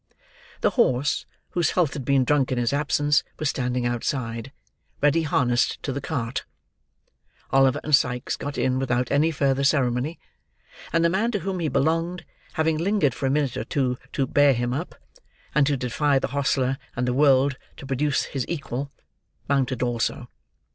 The horse, whose health had been drunk in his absence, was standing outside: ready harnessed to the cart. Oliver and Sikes got in without any further ceremony; and the man to whom he belonged, having lingered for a minute or two "to bear him up," and to defy the hostler and the world to produce his equal, mounted also.